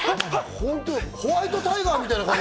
ホワイトタイガーみたいな感じ。